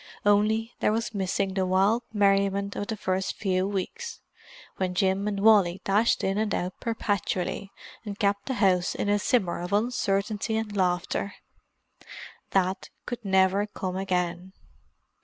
Only there was missing the wild merriment of the first few weeks, when Jim and Wally dashed in and out perpetually and kept the house in a simmer of uncertainty and laughter. That could never come again.